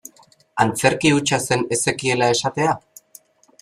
Antzerki hutsa zen ez zekiela esatea?